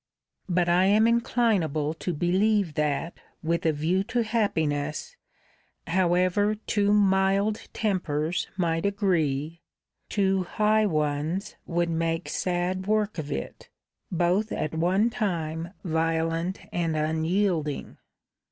But I am inclinable to believe that, with a view to happiness, however two mild tempers might agree, two high ones would make sad work of it, both at one time violent and unyielding.